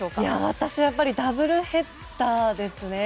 私はやっぱりダブルヘッダーですね。